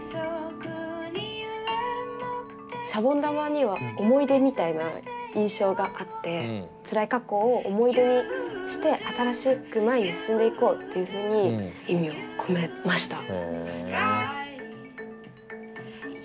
シャボン玉には思い出みたいな印象があってつらい過去を思い出にして新しく前に進んでいこうっていうふうに意味を込めました。